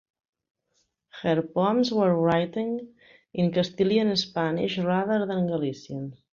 Her poems were written in Castilian Spanish rather than Galician.